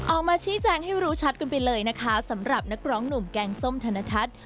ออกมาชี้แจงให้รู้ชัดกันไปเลยนะคะสำหรับนักร้องหนุ่มแกงส้มธนทัศน์